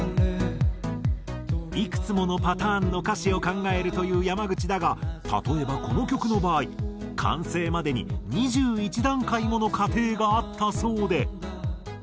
いくつものパターンの歌詞を考えるという山口だが例えばこの曲の場合完成までに２１段階もの過程があったそうで。